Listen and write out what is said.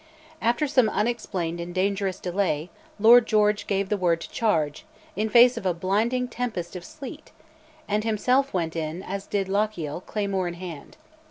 After some unexplained and dangerous delay, Lord George gave the word to charge, in face of a blinding tempest of sleet, and himself went in, as did Lochiel, claymore in hand.